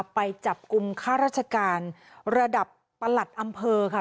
ไปจับกลุ่มค่าราชการระดับประหลัดอำเภอค่ะ